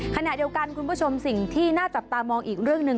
ขณะเดียวกันคุณผู้ชมสิ่งที่น่าจับตามองอีกเรื่องหนึ่ง